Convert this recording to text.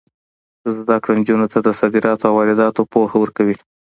زده کړه نجونو ته د صادراتو او وارداتو پوهه ورکوي.